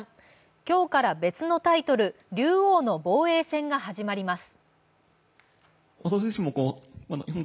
今日から別のタイトル・竜王の防衛戦が始まります。